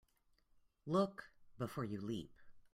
Look before you leap.